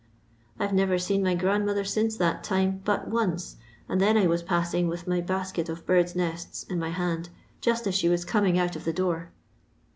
I 've never seen my grandmother since that time but once, and then I was passing with my basket of birds' nests in my hand juat aa she was coming out of the door.